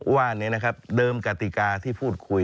ว่าเดิมกติกาที่พูดคุย